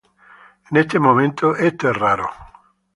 en este momento, esto es raro